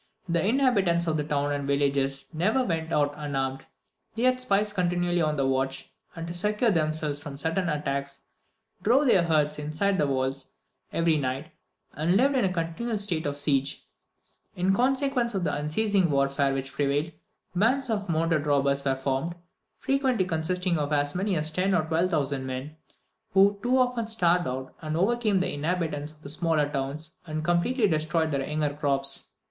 The inhabitants of the towns and villages never went out unarmed; they had spies continually on the watch; and to secure themselves from sudden attacks, drove their herds inside the walls every night, and lived in a continual state of siege. In consequence of the unceasing warfare which prevailed, bands of mounted robbers were formed, frequently consisting of as many as ten or twelve thousand men, who too often starved out and overcame the inhabitants of the smaller towns, and completely destroyed their young crops.